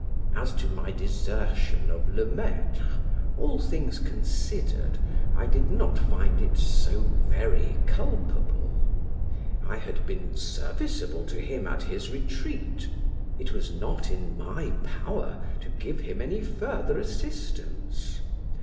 As to my desertion of Le Maitre (all things considered) I did not find it so very culpable. I had been serviceable to him at his retreat; it was not in my power to give him any further assistance.